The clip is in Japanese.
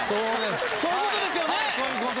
そういうことです。